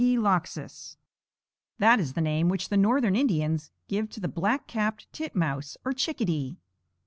That is the name which the northern Indians give to the black capped tit mouse, or chickadee.